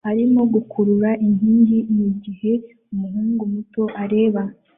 arimo gukurura inkingi mugihe umuhungu muto areba